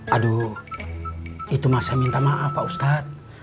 aduh itu mas saya minta maaf pak ustadz